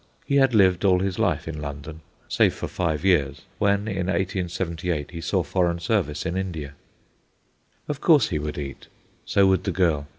He had lived all his life in London, save for five years, when, in 1878, he saw foreign service in India. Of course he would eat; so would the girl.